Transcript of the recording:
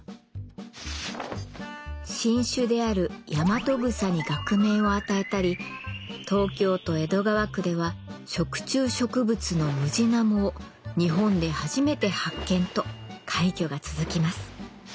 新種であるヤマトグサに学名を与えたり東京都江戸川区では食虫植物のムジナモを日本で初めて発見と快挙が続きます。